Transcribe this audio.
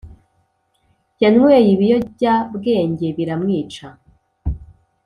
Yanyweye ibiyobyabwenge biramwica